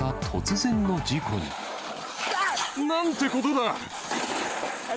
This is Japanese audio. なんてことだ！